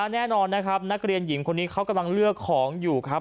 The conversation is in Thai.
แน่นอนนะครับนักเรียนหญิงคนนี้เขากำลังเลือกของอยู่ครับ